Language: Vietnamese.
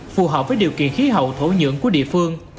phù hợp với điều kiện khí hậu thổ nhưỡng của địa phương